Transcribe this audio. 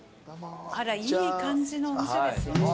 あらいい感じのお店ですよ。